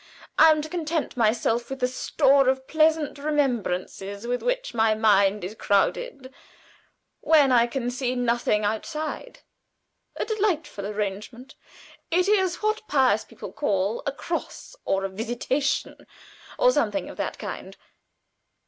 I am to content myself with the store of pleasant remembrances with which my mind is crowded, when I can see nothing outside. A delightful arrangement. It is what pious people call a 'cross,' or a 'visitation,' or something of that kind.